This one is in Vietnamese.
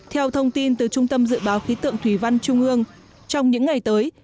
theo thông tin từ trung tâm dự báo khí tượng thủy văn trung ương trong những ngày tới